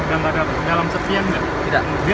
dan ada dalam sepihan gak